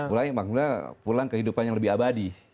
pulang maksudnya pulang kehidupan yang lebih abadi